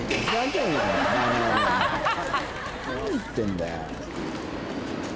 何言ってんだよ。